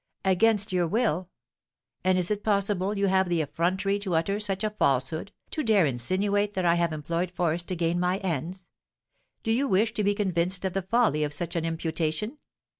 'Against your will! And is it possible you have the effrontery to utter such a falsehood, to dare insinuate that I have employed force to gain my ends? Do you wish to be convinced of the folly of such an imputation?